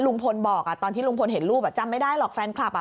ลุงพลบอกตอนที่ลุงพลเห็นรูปอ่ะจำไม่ได้หรอกแฟนคลับอ่ะ